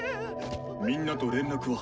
みんなと連絡は？